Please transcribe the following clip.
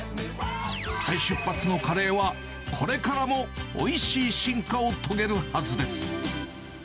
再出発のカレーは、これからもおいしい進化を遂げるはずです。